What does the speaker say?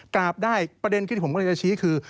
กราบได้ประเด็นที่ผมกำลังจะชี้คือ